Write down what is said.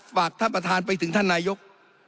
ฝากท่านประธานไปถึงท่านนายก